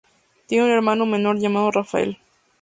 Tiene un hermano menor llamado Rafael.